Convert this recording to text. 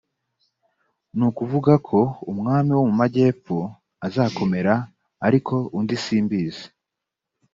ni ukuvuga ko umwami wo mu majyepfo azakomera ariko undi simbizi